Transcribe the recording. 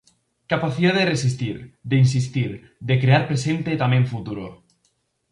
Capacidade de resistir, de insistir, de crear presente e tamén futuro.